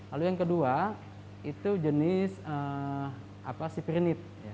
lalu yang kedua itu jenis siprinit